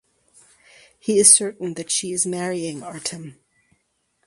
He is certain that she is marrying Artem.